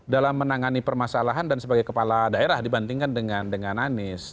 dalam menangani permasalahan dan sebagai kepala daerah dibandingkan dengan anies